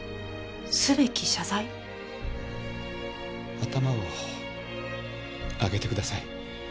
頭を上げてください。